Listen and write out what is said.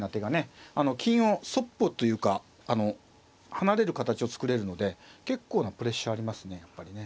金をそっぽというか離れる形を作れるので結構なプレッシャーありますねやっぱりね。